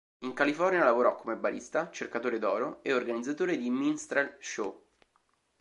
In California lavorò come barista, cercatore d'oro e organizzatore di "minstrel show".